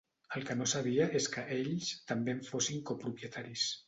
El que no sabia és que ells també en fossin copropietaris.